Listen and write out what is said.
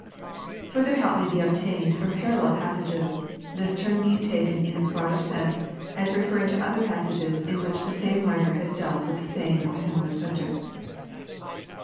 Further help may be obtained from parallel passages, this term being taken in its broader sense as referring to other passages in which the same writer has dealt with the same or similar subjects.